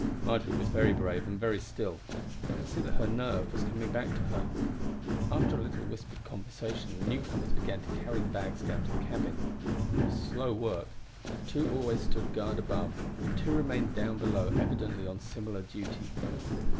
Marjory was very brave and very still; I could see that her nerve was coming back to her. After a little whispered conversation, the newcomers began to carry the bags down to the cabin; it was slow work, for two always stood guard above, and two remained down below evidently on similar duty.